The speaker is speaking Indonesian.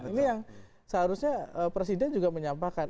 ini yang seharusnya presiden juga menyampaikan